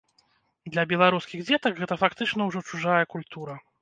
Для беларускіх дзетак гэта фактычна ўжо чужая культура.